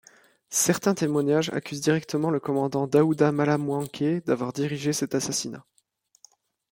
Certains témoignages accusent directement le commandant Daouda Malam Wanké d'avoir dirigé cet assassinat.